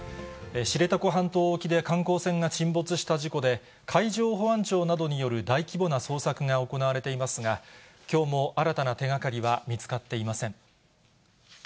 知床半島沖で観光船が沈没した事故で、海上保安庁などによる大規模な捜索が行われていますが、きょうも新たな手がかりは見つかっていません。